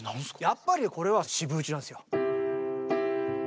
やっぱりこれは４分打ちなんすよ。